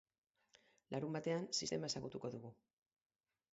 Larunbatean sistema ezagutuko dugu.